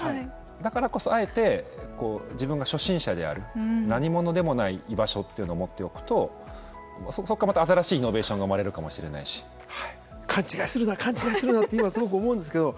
だからこそ、あえて自分が初心者である何者でもない居場所というものを持っておくとそこからまた新しいイノベーションが勘違いするなって今はすごく思うんですけど。